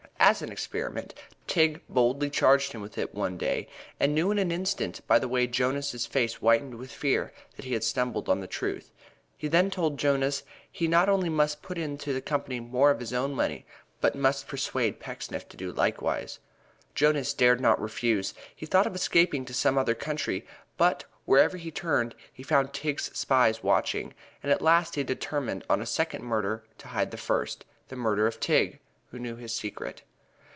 As an experiment Tigg boldly charged him with it one day, and knew in an instant, by the way Jonas's face whitened with fear, that he had stumbled on the truth. He then told Jonas he not only must put into the company more of his own money, but must persuade Pecksniff to do likewise. Jonas dared not now refuse. He thought of escaping to some other country, but wherever he turned he found Tigg's spies watching, and at last, he determined on a second murder to hide the first the murder of Tigg, who knew his secret.